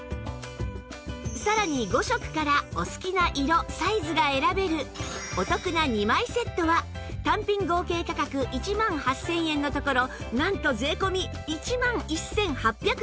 さらに５色からお好きな色サイズが選べるお得な２枚セットは単品合計価格１万８０００円のところなんと税込１万１８００円